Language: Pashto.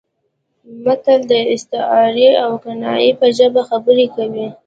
متل د استعارې او کنایې په ژبه خبرې کوي